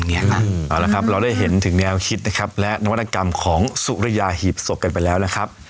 เอาละครับเราได้เห็นถึงแนวคิดนะครับและนวัตกรรมของสุริยาหีบศพกันไปแล้วนะครับ